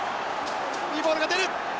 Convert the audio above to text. いいボールが出る。